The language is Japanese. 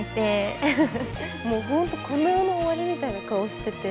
もう本当この世の終わりみたいな顔してて。